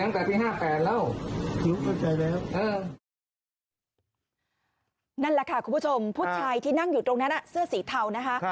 นั่นแหละค่ะคุณผู้ชมผู้ชายที่นั่งอยู่ตรงนั้นเสื้อสีเทานะคะ